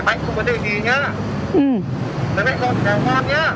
mấy mẹ con khỏe ngoan nhé